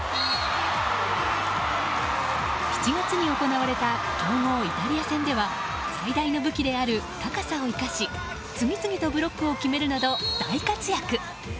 ７月に行われた強豪イタリア戦では最大の武器である高さを生かし次々とブロックを決めるなど大活躍。